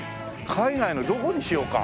海外のどこにしようか。